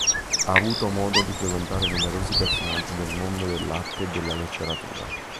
Ha avuto modo di frequentare numerosi personaggi del mondo dell'arte e della letteratura.